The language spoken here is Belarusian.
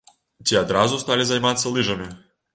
Ці адразу сталі займацца лыжамі?